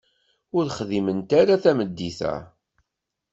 Ur xdiment ara tameddit-a.